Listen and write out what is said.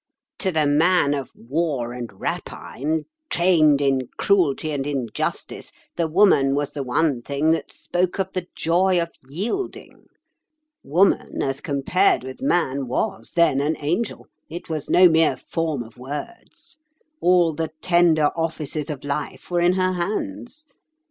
To the man of war and rapine, trained in cruelty and injustice, the woman was the one thing that spoke of the joy of yielding. Woman, as compared with man, was then an angel: it was no mere form of words. All the tender offices of life were in her hands.